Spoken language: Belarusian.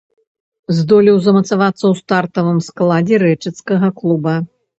Здолеў замацавацца ў стартавым складзе рэчыцкага клуба.